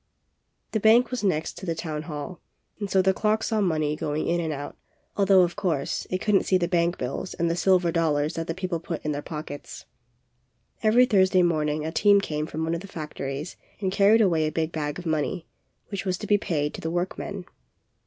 POLLY'S CLOCK. 59 The bank was next to the town hall, and so the clock saw money going in and out, al though, of course, it couldnT see the bank bills and the silver dollars that the people put in their pockets. Every Thursday morning a team came from one of the factories and car ried away a big bag of money, which was to be paid to the workmen.